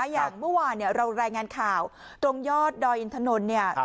อย่างเมื่อวานเรารายงานข่าวตรงยอดดอยอินทนนท์เนี่ย